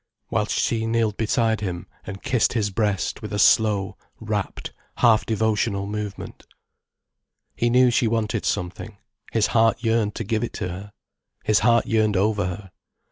Whilst she kneeled beside him, and kissed his breast with a slow, rapt, half devotional movement. He knew she wanted something, his heart yearned to give it her. His heart yearned over her.